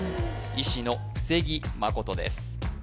医師の布施木誠です